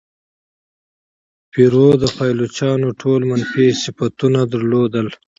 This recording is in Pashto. پیرو د پایلوچانو ټول منفي صفتونه درلودل.